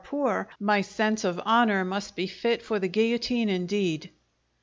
Poor, my sense of honour must be fit for the guillotine indeed.